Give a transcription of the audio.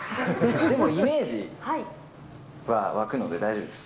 でもイメージは湧くので、大丈夫です。